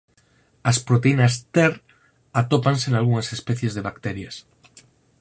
As proteínas Ter atópanse nalgunhas especies de bacterias.